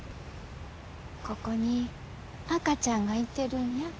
ここに赤ちゃんがいてるんや。